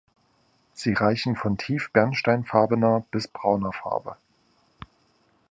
Sie reichen von tief bernsteinfarbener bis brauner Farbe.